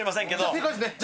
正解ですね？